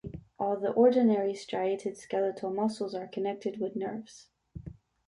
All the ordinary striated skeletal muscles are connected with nerves.